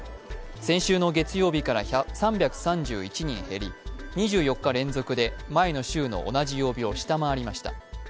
先週の月曜日から３３１人減り、２４日連続で前の週の同じ曜日を下回りました。